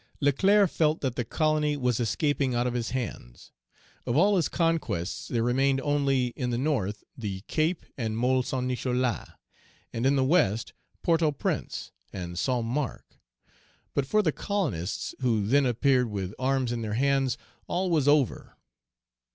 Leclerc felt that the colony was escaping out of his hands. Of all his conquests there remained only, in the North, the Cape, and Môle Saint Nicholas, and in the West, Port au Prince, and Saint Marc. But for the colonists, who then appeared with arms in their hands, all was over.